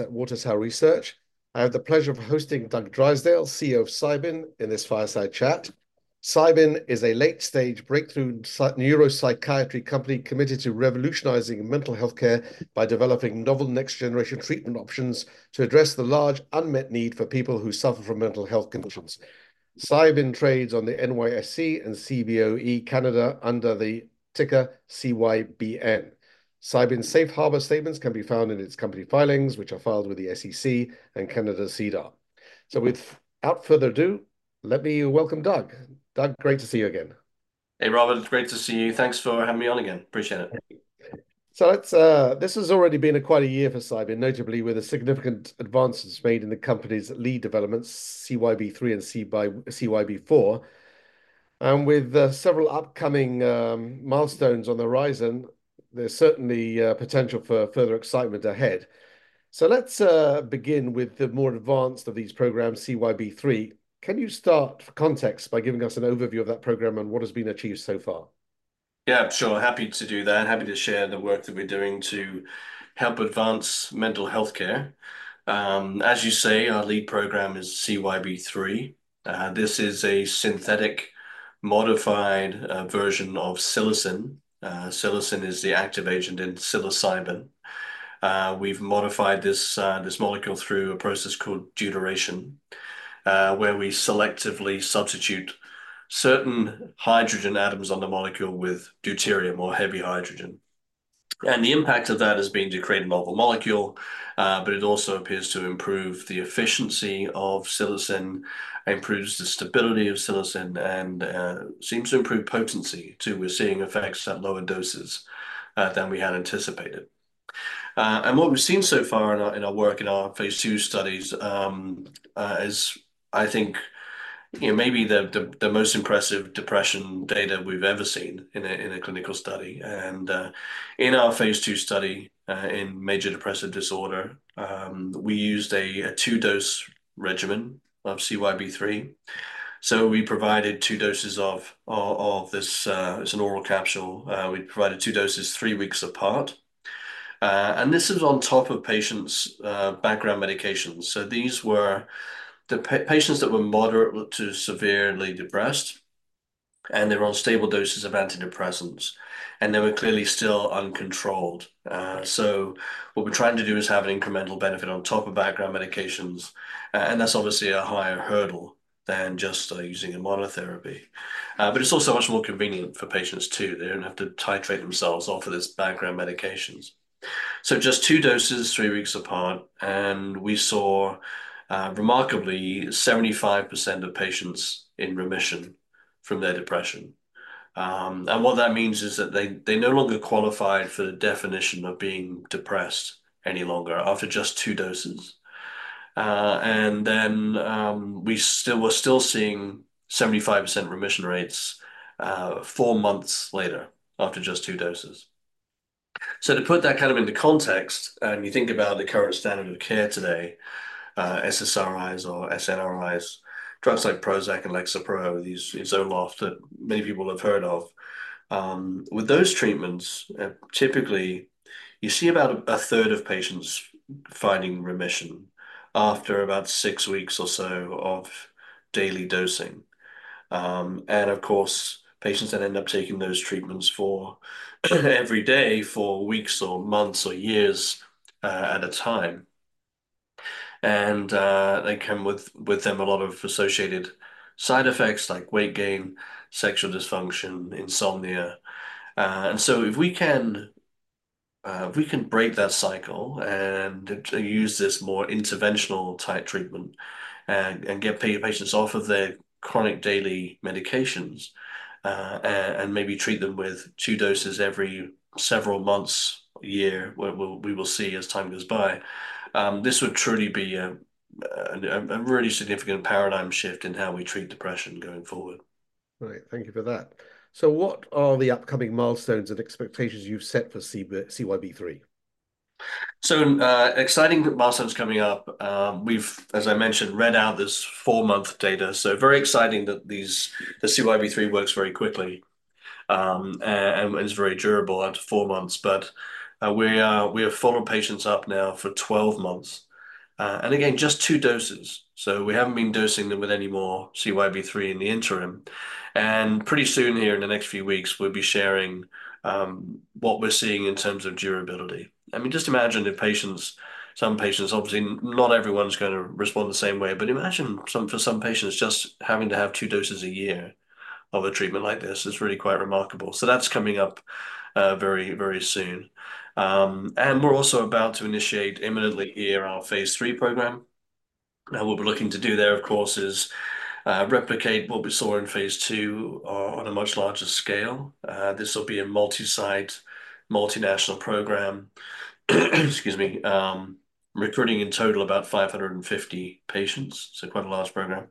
at Water Tower Research. I have the pleasure of hosting Doug Drysdale, CEO of Cybin, in this fireside chat. Cybin is a late-stage breakthrough psych- neuropsychiatry company committed to revolutionizing mental health care by developing novel next-generation treatment options to address the large unmet need for people who suffer from mental health conditions. Cybin trades on the NYSE and CBOE Canada under the ticker CYBN. Cybin's safe harbor statements can be found in its company filings, which are filed with the SEC and Canada's SEDAR. Without further ado, let me welcome Doug. Doug, great to see you again. Hey, Robert. It's great to see you. Thanks for having me on again. Appreciate it. This has already been quite a year for Cybin, notably with the significant advances made in the company's lead developments, CYB003 and CYB004. With several upcoming milestones on the horizon, there's certainly potential for further excitement ahead. Let's begin with the more advanced of these programs, CYB-003. Can you start, for context, by giving us an overview of that program and what has been achieved so far? Yeah, sure. Happy to do that and happy to share the work that we're doing to help advance mental health care. As you say, our lead program is CYB003. This is a synthetic, modified version of psilocin. Psilocin is the active agent in psilocybin. We've modified this molecule through a process called deuteration, where we selectively substitute certain hydrogen atoms on the molecule with deuterium or heavy hydrogen. And the impact of that has been to create a novel molecule, but it also appears to improve the efficiency of psilocin, improves the stability of psilocin, and seems to improve potency, too. We're seeing effects at lower doses than we had anticipated. And what we've seen so far in our work in our phase two studies is, I think, you know, maybe the most impressive depression data we've ever seen in a clinical study. And in our phase two study in major depressive disorder, we used a two-dose regimen of CYB003. So we provided two doses of this. It's an oral capsule. We provided two doses, three weeks apart. And this is on top of patients' background medications. So these were the patients that were moderate to severely depressed, and they were on stable doses of antidepressants, and they were clearly still uncontrolled. So what we're trying to do is have an incremental benefit on top of background medications, and that's obviously a higher hurdle than just using a monotherapy. But it's also much more convenient for patients, too. They don't have to titrate themselves off of these background medications. So just two doses, three weeks apart, and we saw remarkably 75% of patients in remission from their depression. And what that means is that they no longer qualified for the definition of being depressed any longer after just two doses. And then, we're still seeing 75% remission rates four months later after just two doses. So to put that kind of into context, and you think about the current standard of care today, SSRIs or SNRIs, drugs like Prozac and Lexapro, these, and Zoloft that many people have heard of, with those treatments, typically, you see about a third of patients finding remission after about six weeks or so of daily dosing. And of course, patients then end up taking those treatments for every day for weeks, or months, or years, at a time. And they come with them a lot of associated side effects like weight gain, sexual dysfunction, insomnia. So if we can break that cycle and use this more interventional-type treatment and get patients off of their chronic daily medications, and maybe treat them with two doses every several months, a year, we will see as time goes by. This would truly be a really significant paradigm shift in how we treat depression going forward. Right. Thank you for that. So what are the upcoming milestones and expectations you've set for CYB003? So, exciting milestones coming up. We've, as I mentioned, read out this four-month data, so very exciting that these, the CYB003 works very quickly, and is very durable out to four months. But, we have followed patients up now for 12 months, and again, just two doses, so we haven't been dosing them with any more CYB003 in the interim. And pretty soon here, in the next few weeks, we'll be sharing what we're seeing in terms of durability. I mean, just imagine if patients, some patients, obviously, not everyone's gonna respond the same way, but imagine some, for some patients, just having to have two doses a year of a treatment like this is really quite remarkable. So that's coming up, very, very soon. And we're also about to initiate imminently here our phase 3 program. What we're looking to do there, of course, is replicate what we saw in phase 2 on a much larger scale. This will be a multi-site, multinational program, excuse me, recruiting in total about 550 patients, so quite a large program.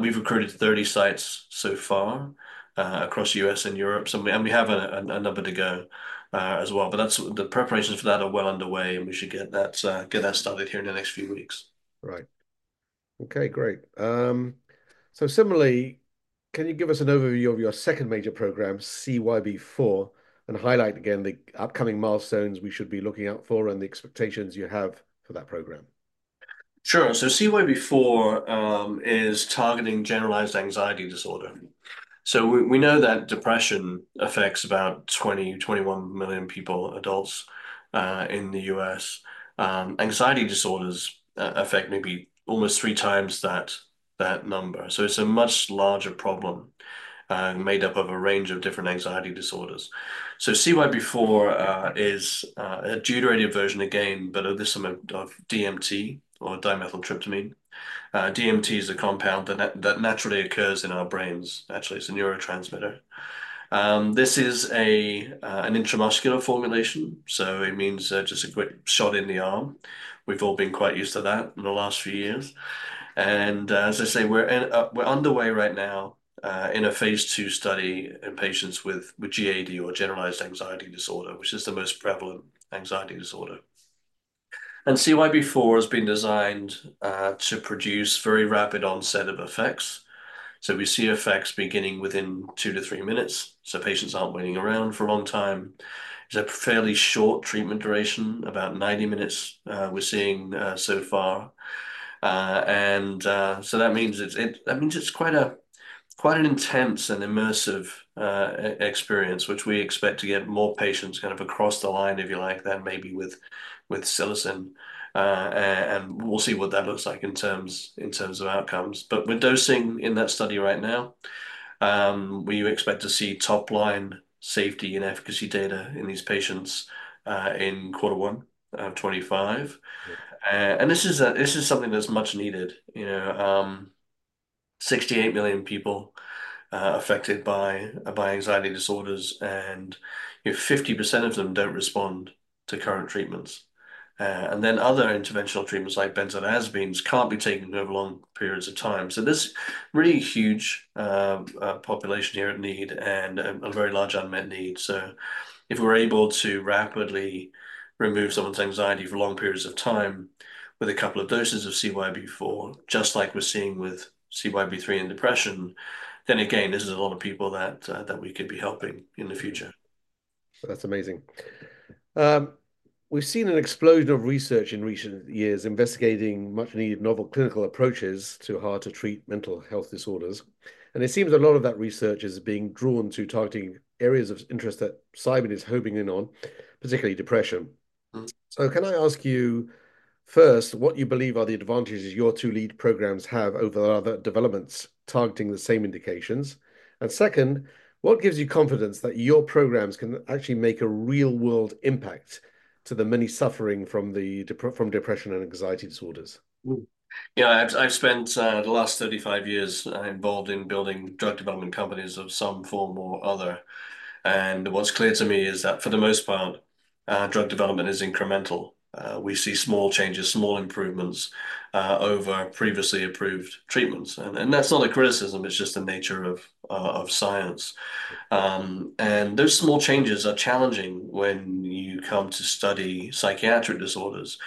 We've recruited 30 sites so far across the U.S. and Europe, so, and we have a number to go as well. But that's, the preparations for that are well underway, and we should get that started here in the next few weeks. Right.... Okay, great. So similarly, can you give us an overview of your second major program, CYB004, and highlight again the upcoming milestones we should be looking out for and the expectations you have for that program? Sure. So CYB004 is targeting generalized anxiety disorder. So we know that depression affects about 20-21 million people, adults, in the U.S. Anxiety disorders affect maybe almost three times that number. So it's a much larger problem, made up of a range of different anxiety disorders. So CYB004 is a deuterated version again, but of this amount of DMT or dimethyltryptamine. DMT is a compound that naturally occurs in our brains. Actually, it's a neurotransmitter. This is an intramuscular formulation, so it means just a quick shot in the arm. We've all been quite used to that in the last few years. And, as I say, we're underway right now in a phase two study in patients with GAD or generalized anxiety disorder, which is the most prevalent anxiety disorder. And CYB004 has been designed to produce very rapid onset of effects. So we see effects beginning within two to three minutes, so patients aren't waiting around for a long time. It's a fairly short treatment duration, about 90 minutes, we're seeing so far. And so that means it's quite an intense and immersive experience, which we expect to get more patients kind of across the line, if you like, than maybe with psilocin. And we'll see what that looks like in terms of outcomes. But we're dosing in that study right now. We expect to see top-line safety and efficacy data in these patients, in quarter one of 2025. Yeah. And this is something that's much needed. You know, 68 million people affected by anxiety disorders, and you know, 50% of them don't respond to current treatments. And then other interventional treatments like benzodiazepines can't be taken over long periods of time. So there's a really huge population here in need and a very large unmet need. So if we're able to rapidly remove someone's anxiety for long periods of time with a couple of doses of CYB004, just like we're seeing with CYB003 in depression, then again, this is a lot of people that that we could be helping in the future. That's amazing. We've seen an explosion of research in recent years investigating much-needed novel clinical approaches to hard-to-treat mental health disorders, and it seems a lot of that research is being drawn to targeting areas of interest that Cybin is homing in on, particularly depression. Mm-hmm. So can I ask you, first, what you believe are the advantages your two lead programs have over other developments targeting the same indications? And second, what gives you confidence that your programs can actually make a real-world impact to the many suffering from depression and anxiety disorders? You know, I've spent the last 35 years involved in building drug development companies of some form or other, and what's clear to me is that for the most part, drug development is incremental. We see small changes, small improvements over previously approved treatments. That's not a criticism, it's just the nature of science. Those small changes are challenging when you come to study psychiatric disorders.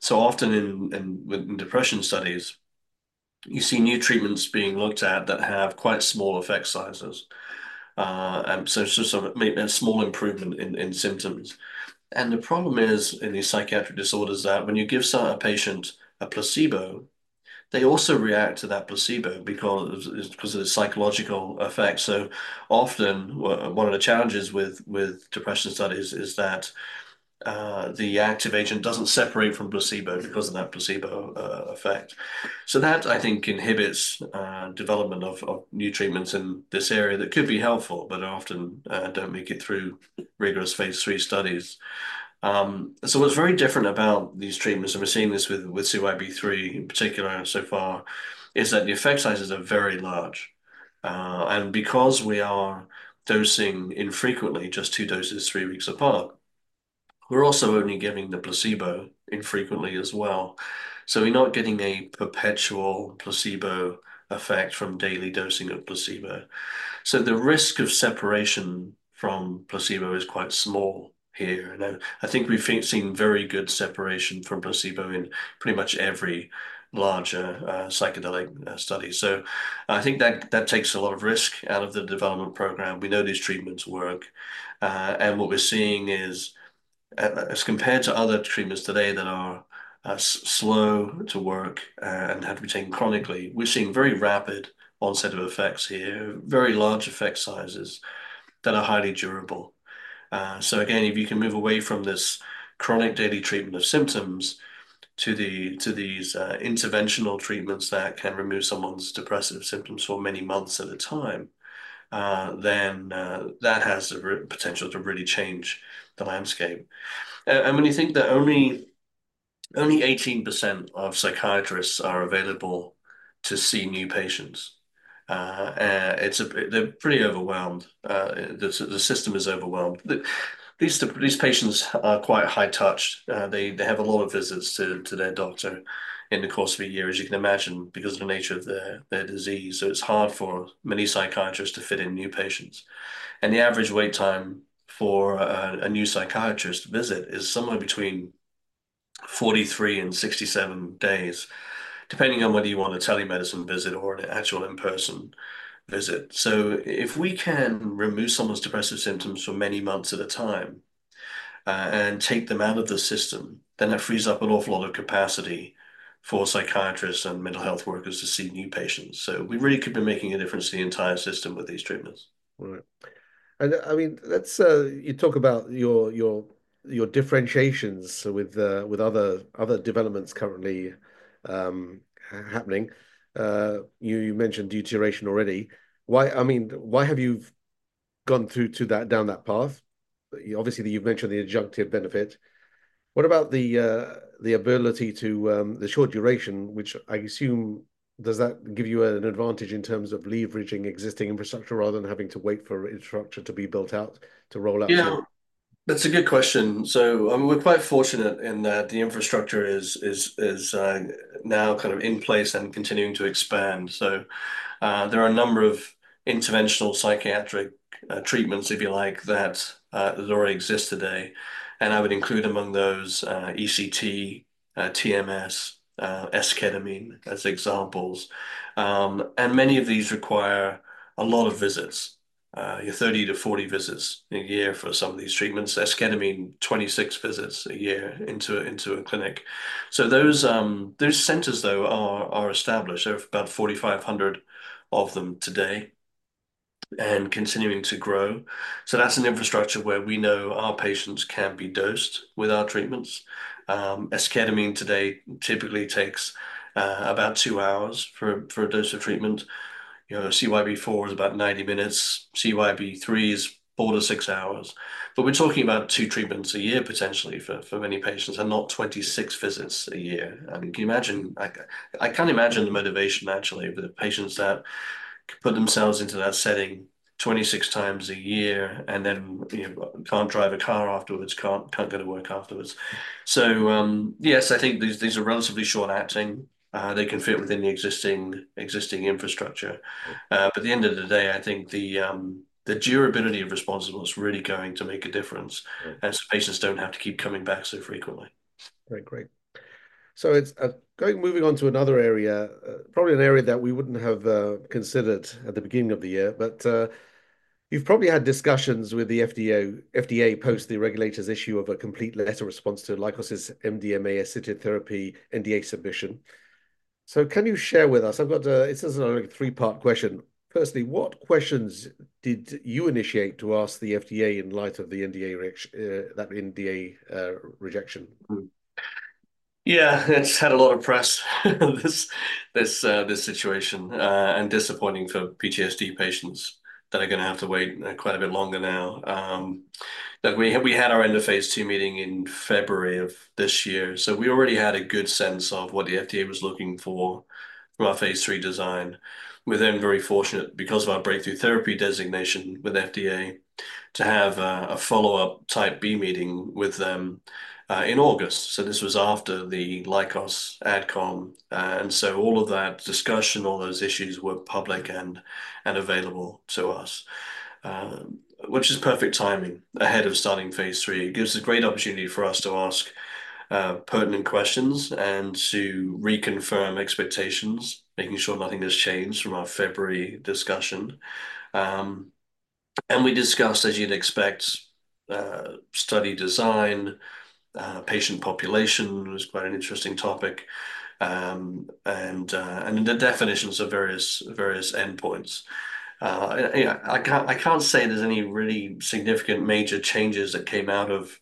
So often in depression studies, you see new treatments being looked at that have quite small effect sizes, and so sort of a small improvement in symptoms. The problem is, in these psychiatric disorders, that when you give a patient a placebo, they also react to that placebo because of the psychological effect. So often, one of the challenges with depression studies is that the active agent doesn't separate from placebo because of that placebo effect. So that, I think, inhibits development of new treatments in this area that could be helpful, but often don't make it through rigorous phase 3 studies. So what's very different about these treatments, and we're seeing this with CYB003 in particular so far, is that the effect sizes are very large. And because we are dosing infrequently, just two doses three weeks apart, we're also only giving the placebo infrequently as well, so we're not getting a perpetual placebo effect from daily dosing of placebo. So the risk of separation from placebo is quite small here, and I think we've seen very good separation from placebo in pretty much every larger psychedelic study. So I think that takes a lot of risk out of the development program. We know these treatments work, and what we're seeing is, as compared to other treatments today that are slow to work and have to be taken chronically, we're seeing very rapid onset of effects here, very large effect sizes that are highly durable. So again, if you can move away from this chronic daily treatment of symptoms to these interventional treatments that can remove someone's depressive symptoms for many months at a time, then that has the potential to really change the landscape. And when you think that only 18% of psychiatrists are available to see new patients, they're pretty overwhelmed. The system is overwhelmed. These patients are quite high-touch. They have a lot of visits to their doctor in the course of a year, as you can imagine, because of the nature of their disease. So it's hard for many psychiatrists to fit in new patients. And the average wait time for a new psychiatrist visit is somewhere between 43 and 67 days, depending on whether you want a telemedicine visit or an actual in-person visit. So if we can remove someone's depressive symptoms for many months at a time, and take them out of the system, then that frees up an awful lot of capacity for psychiatrists and mental health workers to see new patients. So we really could be making a difference to the entire system with these treatments. Right. And, I mean, let's you talk about your differentiations with other developments currently happening. You mentioned deuteration already. Why, I mean, why have you gone through to that, down that path? Obviously, you've mentioned the adjunctive benefit. What about the ability to the short duration, which I assume does that give you an advantage in terms of leveraging existing infrastructure rather than having to wait for infrastructure to be built out, to roll out? Yeah, that's a good question. So, we're quite fortunate in that the infrastructure is now kind of in place and continuing to expand. So, there are a number of interventional psychiatric treatments, if you like, that already exist today, and I would include among those, ECT, TMS, esketamine, as examples, and many of these require a lot of visits, 30 to 40 visits a year for some of these treatments. Esketamine, 26 visits a year into a clinic. So those centers though are established. There are about 4,500 of them today, and continuing to grow. So that's an infrastructure where we know our patients can be dosed with our treatments. Esketamine today typically takes about two hours for a dose of treatment. You know, CYB004 is about 90 minutes, CYB003 is four to six hours. But we're talking about two treatments a year, potentially, for many patients, and not 26 visits a year. I mean, can you imagine? I can't imagine the motivation, actually, for the patients that put themselves into that setting 26 times a year, and then, you know, can't drive a car afterwards, can't go to work afterwards. So, yes, I think these are relatively short-acting. They can fit within the existing infrastructure. But at the end of the day, I think the durability of response is really going to make a difference. Mm-hmm. As patients don't have to keep coming back so frequently. Great, great. So it's moving on to another area, probably an area that we wouldn't have considered at the beginning of the year, but you've probably had discussions with the FDA post the regulator's issue of a complete response letter to Lykos's MDMA-assisted therapy NDA submission. So can you share with us... I've got this is a three-part question. Firstly, what questions did you initiate to ask the FDA in light of that NDA rejection? Yeah, it's had a lot of press, this, this, this situation, and disappointing for PTSD patients that are gonna have to wait quite a bit longer now. Look, we had our end of phase two meeting in February of this year, so we already had a good sense of what the FDA was looking for from our phase three design. We're then very fortunate, because of our breakthrough therapy designation with FDA, to have a follow-up type B meeting with them in August. So this was after the Lykos AdCom, and so all of that discussion, all those issues were public and available to us, which is perfect timing ahead of starting phase three. It gives a great opportunity for us to ask pertinent questions and to reconfirm expectations, making sure nothing has changed from our February discussion. And we discussed, as you'd expect, study design, patient population—which was quite an interesting topic—and the definitions of various endpoints. You know, I can't say there's any really significant major changes that came out of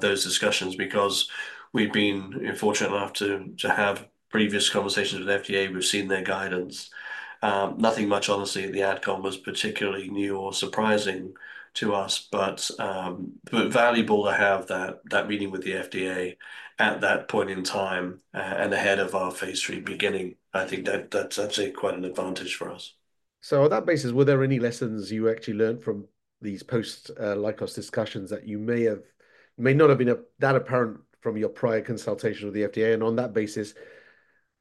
those discussions because we've been fortunate enough to have previous conversations with the FDA. We've seen their guidance. Nothing much, honestly. The Ad Com was particularly new or surprising to us, but valuable to have that meeting with the FDA at that point in time and ahead of our phase three beginning. I think that's actually quite an advantage for us. On that basis, were there any lessons you actually learned from these post-Lykos discussions that you may not have been that apparent from your prior consultation with the FDA, and on that basis,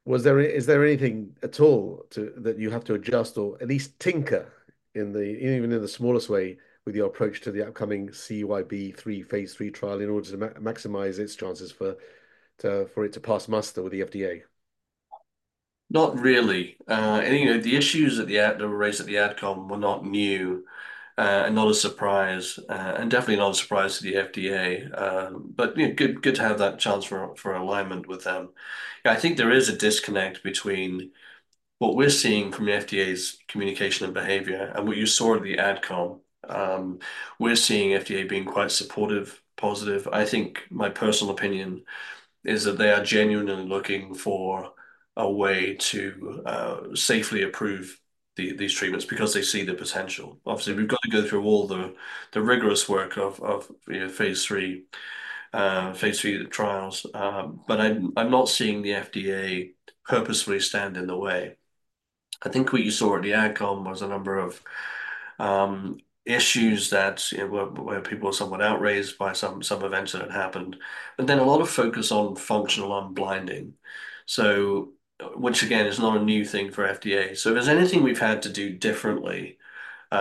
is there anything at all that you have to adjust or at least tinker in even the smallest way with your approach to the upcoming CYB003 phase 3 trial in order to maximize its chances for it to pass muster with the FDA? Not really. Any of the issues that were raised at the Ad Com were not new, and not a surprise, and definitely not a surprise to the FDA. But, you know, good, good to have that chance for, for alignment with them. Yeah, I think there is a disconnect between what we're seeing from the FDA's communication and behavior and what you saw at the Ad Com. We're seeing FDA being quite supportive, positive. I think my personal opinion is that they are genuinely looking for a way to safely approve these treatments because they see the potential. Obviously, we've got to go through all the rigorous work of, you know, phase 3, phase 3 trials, but I'm not seeing the FDA purposefully stand in the way. I think what you saw at the Ad Com was a number of issues that, you know, where people were somewhat outraged by some events that had happened, and then a lot of focus on functional unblinding. So which, again, is not a new thing for FDA. So if there's anything we've had to do differently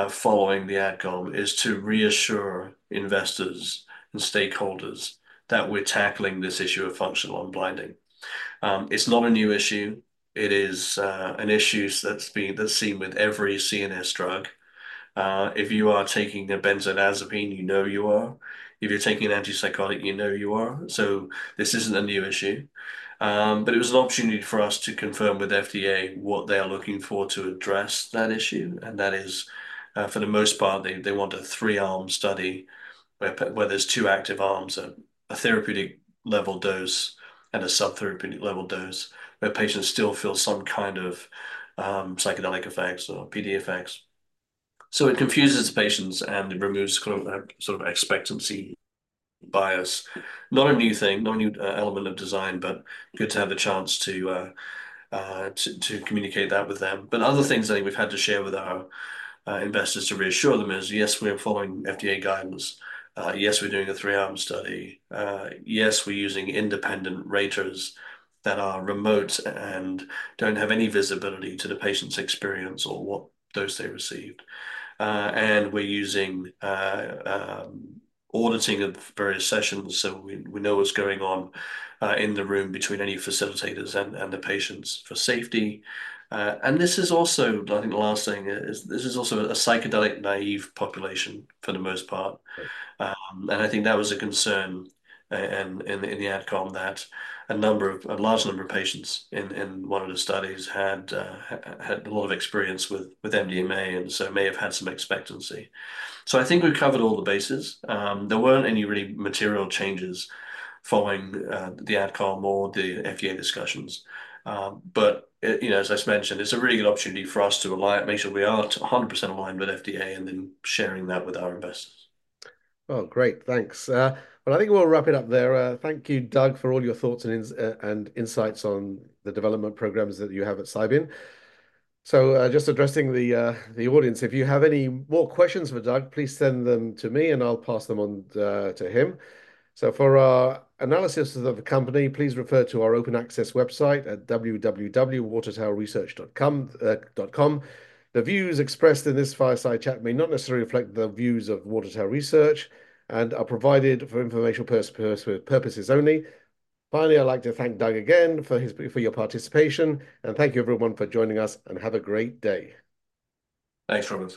following the Ad Com, is to reassure investors and stakeholders that we're tackling this issue of functional unblinding. It's not a new issue. It is an issue that's been seen with every CNS drug. If you are taking a benzodiazepine, you know you are. If you're taking an antipsychotic, you know you are, so this isn't a new issue. But it was an opportunity for us to confirm with FDA what they are looking for to address that issue, and that is, for the most part, they want a three-arm study, where there's two active arms, a therapeutic level dose and a sub-therapeutic level dose, where patients still feel some kind of psychedelic effects or PD effects. So it confuses the patients, and it removes kind of sort of expectancy bias. Not a new thing, not a new element of design, but good to have a chance to communicate that with them. But other things that we've had to share with our investors to reassure them is, "Yes, we are following FDA guidance. Yes, we're doing a 3-arm study. Yes, we're using independent raters that are remote and don't have any visibility to the patient's experience or what dose they received. And we're using auditing of various sessions, so we know what's going on in the room between any facilitators and the patients for safety. And this is also... I think the last thing is, this is also a psychedelic-naive population for the most part. Right. And I think that was a concern in the AdCom, that a number of, a large number of patients in one of the studies had had a lot of experience with MDMA, and so may have had some expectancy. So I think we've covered all the bases. There weren't any really material changes following the AdCom or the FDA discussions. But you know, as I've mentioned, it's a really good opportunity for us to align, make sure we are 100% aligned with FDA and then sharing that with our investors. Great. Thanks. I think we'll wrap it up there. Thank you, Doug, for all your thoughts and insights on the development programs that you have at Cybin. Just addressing the audience, if you have any more questions for Doug, please send them to me, and I'll pass them on to him. For our analysis of the company, please refer to our open access website at www.watertowerresearch.com. The views expressed in this fireside chat may not necessarily reflect the views of Water Tower Research and are provided for informational purposes only. Finally, I'd like to thank Doug again for his, for your participation, and thank you everyone for joining us, and have a great day. Thanks, Robert.